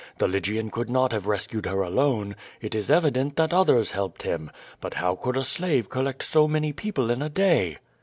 The Lygian could not have rescued her alone. It is evident that others helped him. But how could a slave collect so many people in a day?''